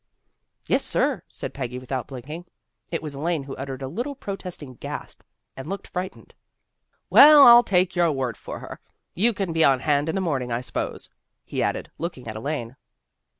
" Yes, sir," said Peggy without blinking. It was Elaine who uttered a little protesting gasp, and looked frightened. " Well, I'll take your word for her. You can be on hand in the morning, I suppose," he added, looking at Elaine.